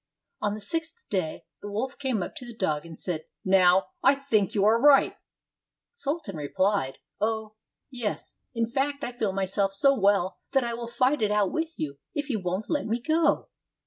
On the sixth day the wolf came up to the dog and said, "Now, I think you are ripe!" Sultan replied, "Oh, 382 THE DOG AND THE WOLF yes; in fact I feel myself so well that I will fight it out with you if yoa won't let me go."